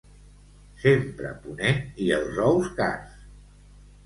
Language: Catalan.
Sempre ponent i els ous cars!